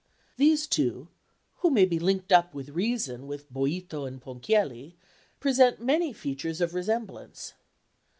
These two, who may be linked up with reason with Boïto and Ponchielli, present many features of resemblance.